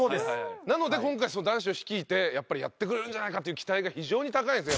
なので今回男子を率いてやっぱりやってくれるんじゃないかっていう期待が非常に高いんですね